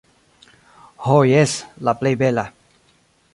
Ho jes, la plej bela.